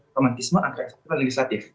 komitisme antara eksekutif dan legislatif